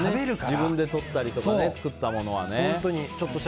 自分でとったりとか作ったものはね。